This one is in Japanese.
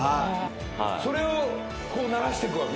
それを慣らしてくわけ？